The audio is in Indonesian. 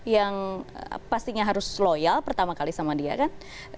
yang pastinya harus loyal pertama kali sama dia kan